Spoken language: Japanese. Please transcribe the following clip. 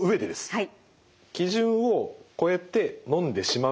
はい。